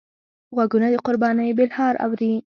غوږونه د قربانۍ بلهار اوري